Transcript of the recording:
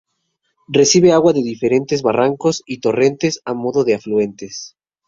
Recibe aguas de diferentes barrancos y torrentes a modo de afluentes.